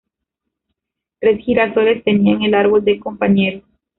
Tres girasoles tenían al árbol de compañeros.